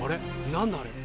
何だあれ。